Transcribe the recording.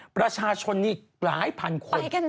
ประชาชนนี่หลายพันคน